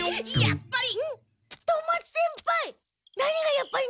やっぱり！